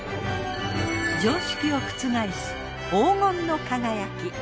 常識を覆す黄金の輝き。